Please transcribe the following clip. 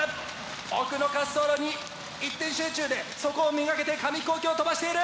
奥の滑走路に一点集中でそこを目がけて紙ヒコーキを飛ばしている！